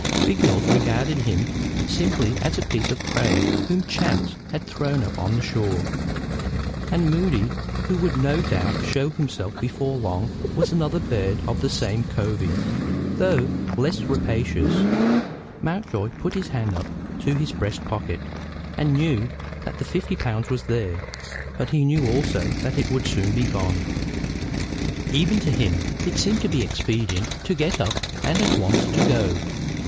Vignolles regarded him simply as a piece of prey whom chance had thrown up on the shore. And Moody, who would no doubt show himself before long, was another bird of the same covey, though less rapacious. Mountjoy put his hand up to his breast pocket, and knew that the fifty pounds was there, but he knew also that it would soon be gone. Even to him it seemed to be expedient to get up and at once to go.